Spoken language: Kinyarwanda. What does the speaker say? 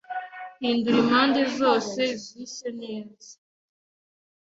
Hindura impande zose zishye neza